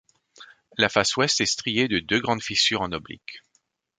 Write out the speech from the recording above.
La face ouest est striée de deux grandes fissures en oblique.